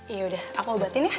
yaudah aku obatin ya